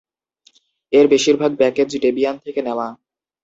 এর বেশীরভাগ package Debian থেকে নেওয়া।